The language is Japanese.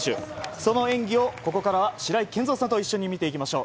その演技をここからは白井健三さんと一緒に見ていきましょう。